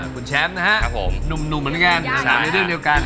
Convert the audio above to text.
คุณแชมป์นะครับผมหนุ่มเหมือนกันถามในเรื่องเดียวกัน